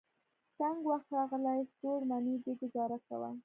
تنګ وخت راغلی. څوړ منی دی ګذاره کوه.